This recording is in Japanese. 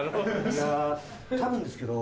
いやぁ多分ですけど。